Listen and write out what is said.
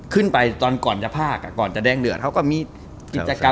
ขึ้นไปก่อนจะภากก่อนแดงเดือดเค้าก็มีกิจกรรม